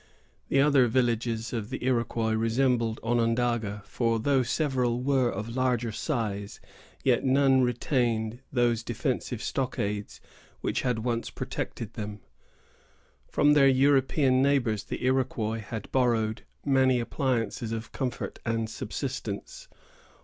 The other villages of the Iroquois resembled Onondaga; for though several were of larger size, yet none retained those defensive stockades which had once protected them. From their European neighbors the Iroquois had borrowed many appliances of comfort and subsistence.